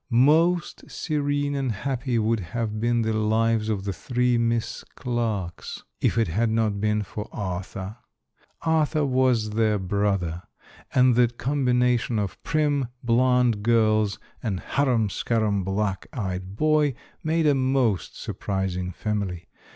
Most serene and happy would have been the lives of the three Miss Clarkes, if it had not been for Arthur. Arthur was their brother, and the combination of prim, blonde girls and harum scarum black eyed boy, made a most surprising family.